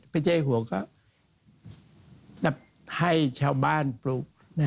พระเจ้าไอ้หัวก็ให้ชาวบ้านปลูก